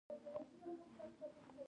ې ویښته مو کوم عمر کې په سپینیدو شي